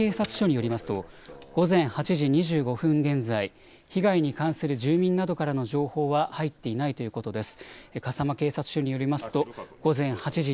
笠間警察署によりますと午前８時２５分現在、被害に関する住民などからの情報は入っていないということです。